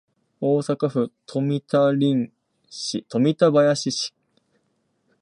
大阪府富田林市